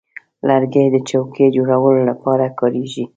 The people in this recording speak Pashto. لرګی د چوکۍ جوړولو لپاره کارېږي.